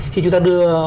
khi chúng ta đưa